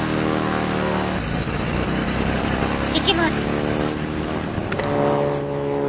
行きます。